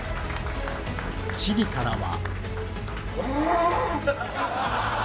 チリからは。